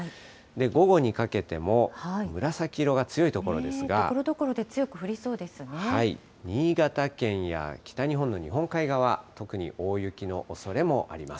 午後にかけても、ところどころで強く降りそう新潟県や北日本の日本海側、特に大雪のおそれもあります。